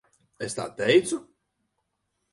Es tā teicu?